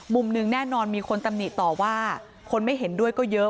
มุมหนึ่งแน่นอนมีคนตำหนิต่อว่าคนไม่เห็นด้วยก็เยอะ